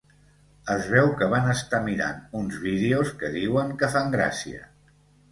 Es veu que van estar mirant uns vídeos que diuen que fan gràcia.